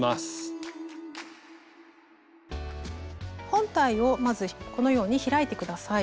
本体をまずこのように開いて下さい。